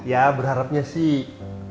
ya berharapnya sih